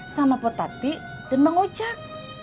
sama potati dan mengocak